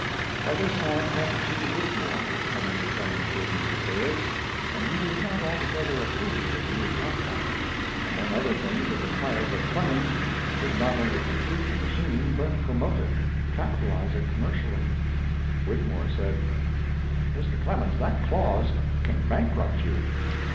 By this time F. G. Whitmore had come into Clemens's business affairs, and he did not altogether approve of the new contract. Among other things, it required that Clemens should not only complete the machine, but promote it, capitalize it commercially. Whitmore said: "Mr. Clemens, that clause can bankrupt you."